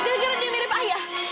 gara gara dia mirip ayah